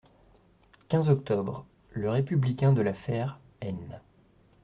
quinze octobre., Le Républicain de La Fère (Aisne).